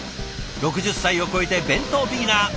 ６０歳を超えて弁当ビギナー。